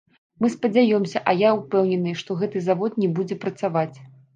Мы спадзяёмся, а я ўпэўнены, што гэты завод не будзе працаваць.